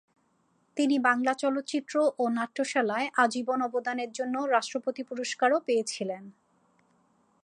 তিনি বাংলা চলচ্চিত্র ও নাট্যশালায় আজীবন অবদানের জন্য রাষ্ট্রপতি পুরস্কারও পেয়েছিলেন।